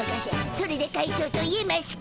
それで会長といえましゅか！